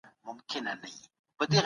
اقتصادي تعاون باید دود سي.